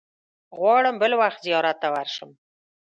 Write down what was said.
غواړم بل وخت زیارت ته ورشم.